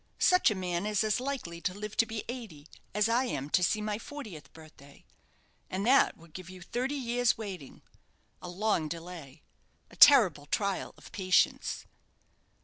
Such a man is as likely to live to be eighty as I am to see my fortieth birthday. And that would give you thirty years' waiting: a long delay a terrible trial of patience."